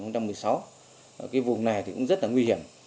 cái vùng này thì cũng rất là nguy hiểm